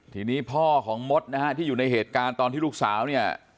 ทีนี้พ่อของมดนะฮะที่อยู่ในเหตุการณ์ตอนที่ลูกสาวเนี่ย